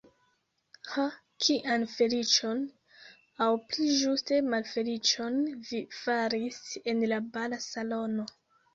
Ha, kian feliĉon, aŭ pli ĝuste malfeliĉon, vi faris en la bala salono!